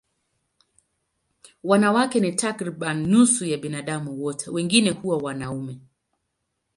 Wanawake ni takriban nusu ya binadamu wote, wengine huwa wanaume.